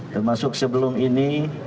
termasuk sebelum ini